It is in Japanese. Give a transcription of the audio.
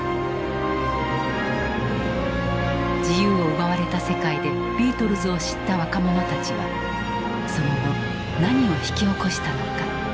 自由を奪われた世界でビートルズを知った若者たちはその後何を引き起こしたのか。